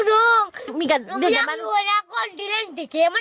ก็ทำการบ้านที่ส่องสามนักนี่ขิงทำไมได้